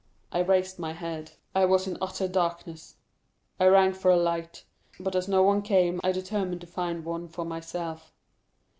I raised my head; I was in utter darkness. I rang for a light, but, as no one came, I determined to find one for myself.